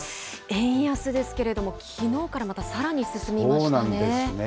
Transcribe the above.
円安ですけれども、きのうからまたさらに進みましたね。